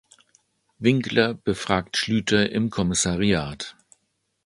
Winkler befragt Schlüter im Kommissariat.